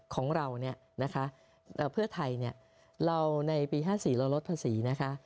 ของเราเนี้ยนะคะเอ่อเพื่อไทยเนี้ยเราในปีห้าสี่เราลดภาษีนะคะ